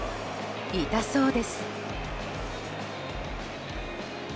痛そうです。